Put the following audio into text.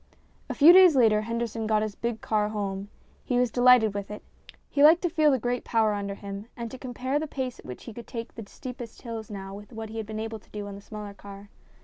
A few days later Henderson got his big car home. He was delighted with it. He liked to feel the great power under him and to compare the pace at which he could take the steepest hills now with what he had been able to do on the smaller car.